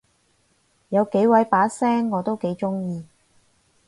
有幾位把聲我都幾中意